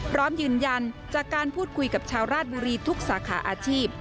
พร้อมยืนยันจากการพูดคุยกับชาวราชบุรีทุกสาขาอาชีพ